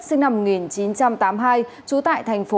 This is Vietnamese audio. sinh năm một nghìn chín trăm tám mươi hai trú tại thành phố